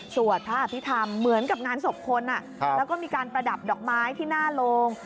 สวดพระอภิษฐรรมเหมือนกับงานศพคนแล้วก็มีการประดับดอกไม้ที่หน้าโรง